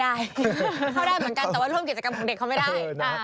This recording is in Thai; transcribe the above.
ได้เข้าได้เหมือนกันแต่ว่าร่วมกิจกรรมของเด็กเขาไม่ได้